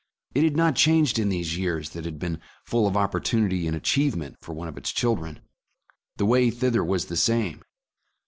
It had not changed in these years that had been full of oppor tunity and achievement for one of its children. The way thither was the same.